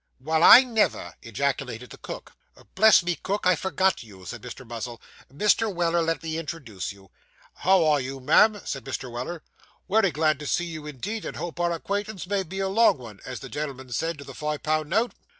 'Well, I never!' ejaculated the cook. 'Bless me, cook, I forgot you,' said Mr. Muzzle. 'Mr. Weller, let me introduce you.' 'How are you, ma'am?' said Mr. Weller. 'Wery glad to see you, indeed, and hope our acquaintance may be a long 'un, as the gen'l'm'n said to the fi' pun' note.